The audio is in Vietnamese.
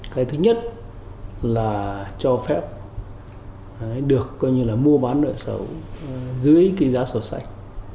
cái thứ nhất là cho phép được mua bán nợ xấu dưới giá sổ sạch